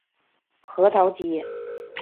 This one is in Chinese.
核桃街。